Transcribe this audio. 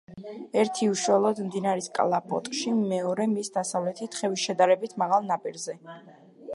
ერთი უშუალოდ მდინარის კალაპოტში, მეორე მის დასავლეთით, ხევის შედარებით მაღალ ნაპირზე.